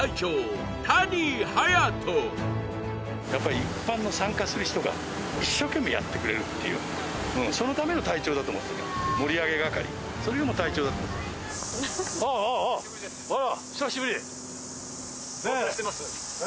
やっぱり一般の参加する人が一生懸命やってくれるっていうそのための隊長だと思ってるから盛り上げ係それがもう隊長だと思うああああああ・お久しぶりです